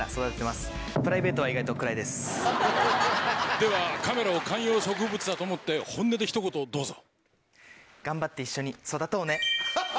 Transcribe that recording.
ではカメラを観葉植物だと思って本音で一言どうぞ。